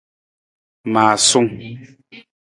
Maasung.